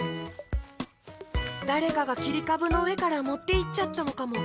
だれかがきりかぶのうえからもっていっちゃったのかも。